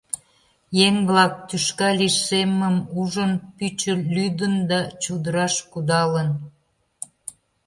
Еҥ-влак тӱшка лишеммым ужын, пӱчӧ лӱдын да чодыраш кудалын.